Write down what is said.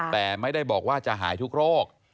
แต่ไม่ได้บอกว่าจะหายทุกโรค